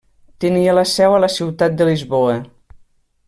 Tenia la seu a la ciutat de Lisboa.